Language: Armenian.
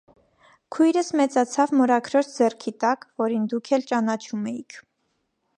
քույրս մեծացավ մորաքրոջ ձեռքի տակ, որին դուք էլ ճանաչում էիք.